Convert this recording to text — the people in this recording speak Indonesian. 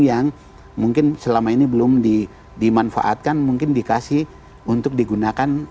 yang mungkin selama ini belum dimanfaatkan mungkin dikasih untuk digunakan